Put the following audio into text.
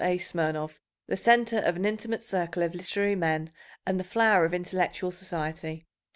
A. Smirnov, the centre of "an intimate circle of literary men and the flower of intellectual society."